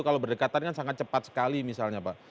kalau berdekatan kan sangat cepat sekali misalnya pak